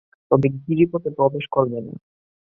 তবে গিরিপথে প্রবেশ করবে না।